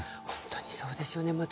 本当にそうですよね。